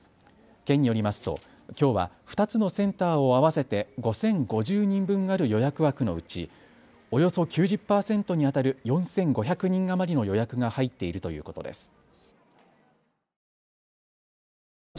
県によりますときょうは２つのセンターを合わせて５０５０人分ある予約枠のうちおよそ９０％にあたる４５００人余りの予約が入っているということです。